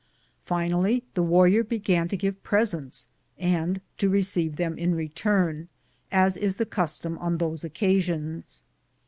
Finally the warrior began to give presents, and to receive them in return, as is the custom on those occasions.